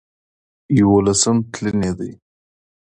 يوولسم تلين يې دی